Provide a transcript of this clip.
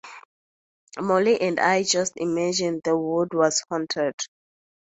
Molly and I just imagined the wood was haunted.